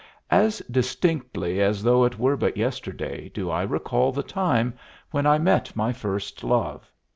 As distinctly as though it were but yesterday do I recall the time when I met my first love.